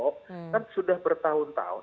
kan sudah bertahun tahun